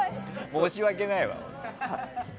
申し訳ないわ。